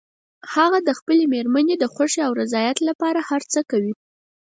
هغه د خپلې مېرمنې د خوښې او رضایت لپاره هر څه کوي